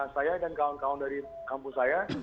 saya dan kawan kawan dari kampus saya